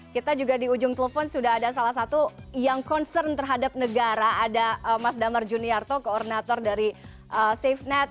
kita juga di ujung telepon sudah ada salah satu yang concern terhadap negara ada mas damar juniarto koordinator dari safenet